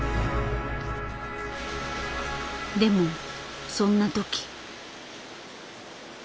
でもそんな時。